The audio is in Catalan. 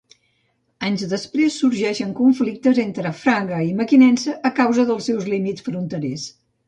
Anys després sorgeixen conflictes entre Fraga i Mequinensa a causa dels seus límits fronterers.